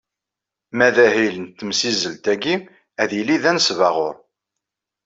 Ma d ahil n temsizzelt-agi, ad d-yili d anesbaɣur.